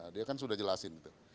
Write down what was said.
dia kan sudah jelasin itu